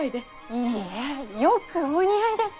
いいえよくお似合いです。